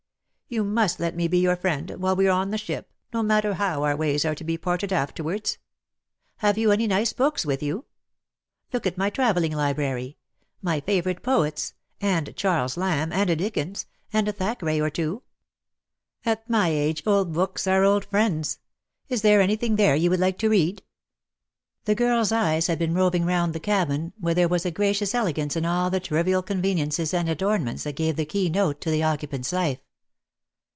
You must let me be your friend, wliile we are on the ship, no matter how our ways are to be parted afterwards. Have you any nice books with you? Look at my travelling library — my favourite poets — and Charles Lamb, and a Dickens, and a Thackeray or two. At my age old books are 20 DEAD LOVE HAS CHAINS. old friends. Is there anything there you would like to read?" The girl's eyes had been roving round the cabin, where there was a gracious elegance in all the trivial conveniences and adornments that gave the key note to the occupant's life.